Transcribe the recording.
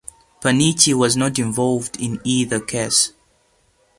Panici was not involved in either case.